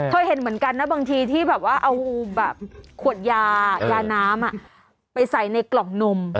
เธอเห็นเหมือนกันนะบางทีที่เอาขวดยาน้ำไปใส่ในกล่องนม